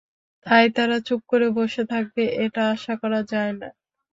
তাই তারা চুপ করে বসে থাকবে, এটা আশা করা যায় না।